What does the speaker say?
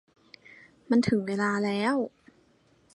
มันถึงเวลาแล้ว